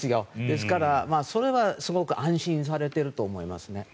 ですから、それはすごく安心されていると思います。